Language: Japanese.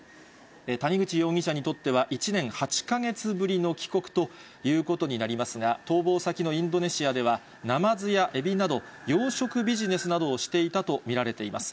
谷口容疑者にとっては、１年８か月ぶりの帰国ということになりますが、逃亡先のインドネシアでは、ナマズやエビなど、養殖ビジネスなどをしていたと見られています。